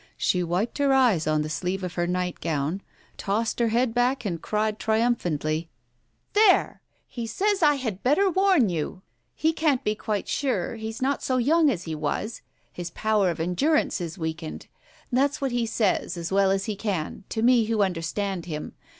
She wiped her eyes on the sleeve of her nightgown, tossed her head back and cried triumphantly — "There, he says I had better warn you ! He can't be quite sure — he's not so young as he was — his power of endurance is weakened ! That's what he says, as well as he can — to me who understand him.